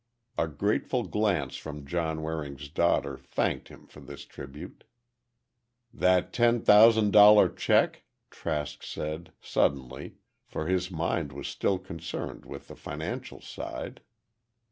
A grateful glance from John Waring's daughter thanked him for this tribute. "That ten thousand dollar check?" Trask said, suddenly, for his mind was still concerned with the financial side.